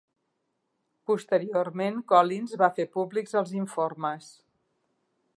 Posteriorment Collins va fer públics els informes.